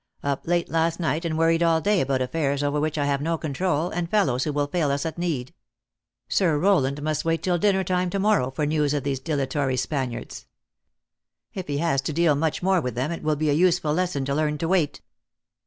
" Up late last night and worried all day about aifairs over which I have no control, and fellows who will fail us at need. Sir Rowland must wait till dinner 15* 354 THE ACTRESS IN HIGH LIFE. time to morrow for news of these dilatory Spaniards. If he has to deal much more with them, it will be a useful lesson to learn to wait."